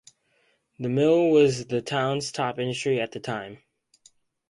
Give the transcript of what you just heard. The mill was the town's top industry at that time.